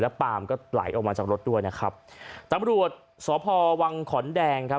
ปาล์มก็ไหลออกมาจากรถด้วยนะครับตำรวจสพวังขอนแดงครับ